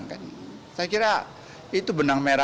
saya kira itu benang merah